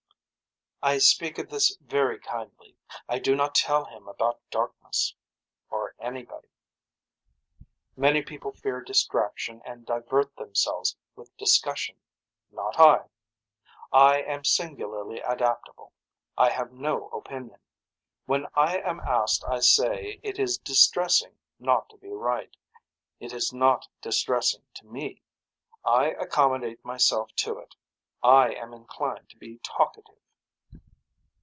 I speak of this very kindly. I do not tell him about darkness. Or anybody. Many people fear distraction and divert themselves with discussion. Not I. I am singularly adaptable. I have no opinion. When I am asked I say it is distressing not to be right. It is not distressing to me. I accomodate myself to it. I am inclined to be talkative.